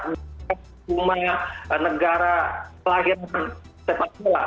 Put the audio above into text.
bukan cuma negara kelahiran sepak bola